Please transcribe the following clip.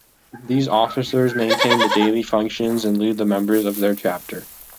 These officers maintain the daily functions and lead the members of their chapter.